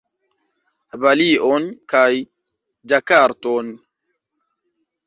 Balion kaj Ĝakarton